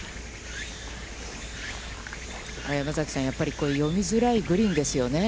山崎さん、やっぱり読みづらいグリーンですね。